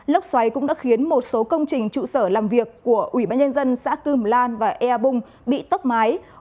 lốc xoáy cũng đã khiến một số công trình trụ sở làm việc của ubnd xã cưm lan và ea bung bị tốc mái